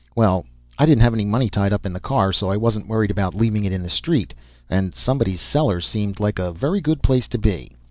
Well, I didn't have any money tied up in the car, so I wasn't worried about leaving it in the street. And somebody's cellar seemed like a very good place to be.